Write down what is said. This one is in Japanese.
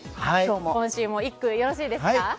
今週も一句よろしいですか。